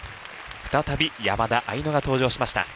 再び山田愛乃が登場しました。